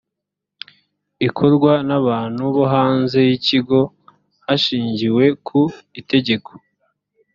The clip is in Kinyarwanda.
ikorwa n abantu bo hanze y ikigo hashingiwe ku itegeko